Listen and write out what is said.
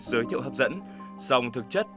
giới thiệu hấp dẫn dòng thực chất